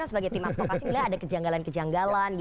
sebagai tim asok pasti ada kejanggalan kejanggalan